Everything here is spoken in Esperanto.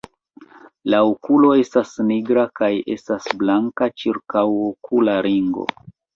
La okulo estas nigra kaj estas blanka ĉirkaŭokula ringo.